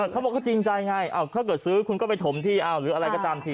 เขาบอกเขาจริงใจไงถ้าเกิดซื้อคุณก็ไปถมที่เอาหรืออะไรก็ตามที